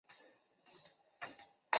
迈克尔王子由其母亲抚养长大。